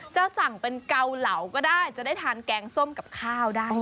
จะสั่งเป็นเกาเหลาก็ได้จะได้ทานแกงส้มกับข้าวได้